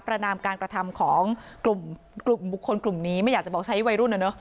นามการกระทำของกลุ่มบุคคลกลุ่มนี้ไม่อยากจะบอกใช้วัยรุ่นนะเนอะ